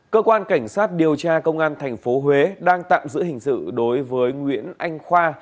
cơ quan cảnh sát điều tra công an tp huế đang tạm giữ hình sự đối với nguyễn anh khoa